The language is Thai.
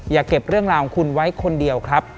อย่าเก็บเรื่องราวของคุณไว้คนเดียวครับ